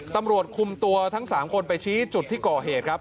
ตำรวจคุมตัวทั้ง๓คนไปชี้จุดที่ก่อเหตุครับ